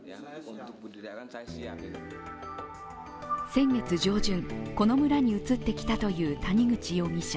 先月上旬、この村に移ってきたという谷口容疑者。